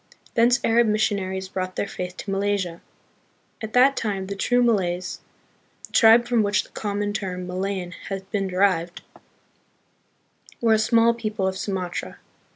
Thence Arab missionaries brought their faith to Malaysia. At that time the true Malays, the tribe from which the common term "Malayan" has been derived, were a 40 THE PHILIPPINES. small people of Sumatra.